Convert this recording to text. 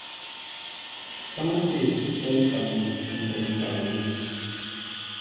Tsáŋə́se ntə̂ʉ nkaŋ-ŋuu ntsəm cər ngoŋ Káməlûm.